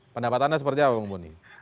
pendapat anda seperti apa bang bonnie